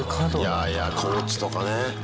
いやいやコーチとかね